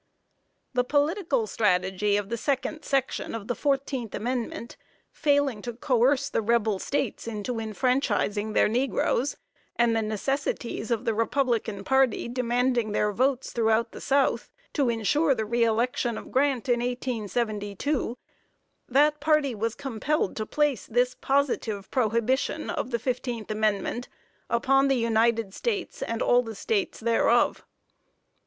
The political strategy of the second section of the fourteenth amendment, failing to coerce the rebel states into enfranchising their negroes, and the necessities of the republican party demanding their votes throughout the South, to ensure the re election of Grant in 1872, that party was compelled to place this positive prohibition of the fifteenth amendment upon the United States and all the states thereof.